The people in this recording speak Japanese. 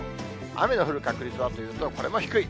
雨の降る確率はというと、これも低い。